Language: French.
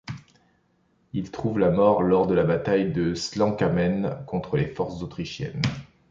Il trouve la mort lors de la bataille de Slankamen contre les forces autrichiennes.